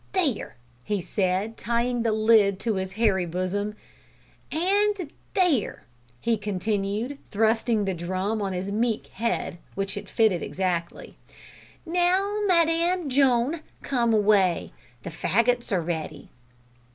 "There," he said, tying the lid to his hairy bosom; "and there," he continued, thrusting the drum on his meek head, which it fitted exactly; "now, Madame Joan, come away the fagots are ready."